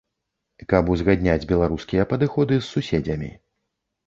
Каб узгадняць беларускія падыходы з суседзямі.